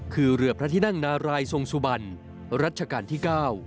คือเรือพระที่นั่งนารายทรงสุบันรัชกาลที่๙